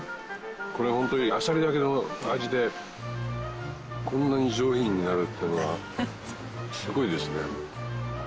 これホントにあさりだけの味でこんなに上品になるっていうのはすごいですね。